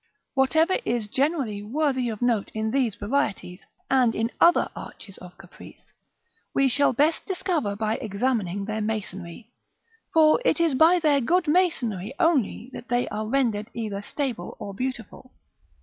Whatever is generally worthy of note in these varieties, and in other arches of caprice, we shall best discover by examining their masonry; for it is by their good masonry only that they are rendered either stable or beautiful.